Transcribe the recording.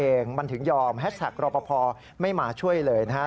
เองมันถึงยอมแฮชแท็กรอปภไม่มาช่วยเลยนะฮะ